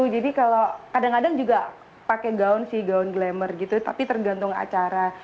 jadi kalau kadang kadang juga pakai gaun sih gaun glamor gitu tapi tergantung acara